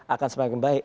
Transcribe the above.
akan semakin baik